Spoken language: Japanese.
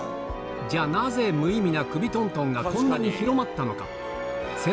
じゃあ、なぜ無意味な首とんとんがこんなに広まったのか。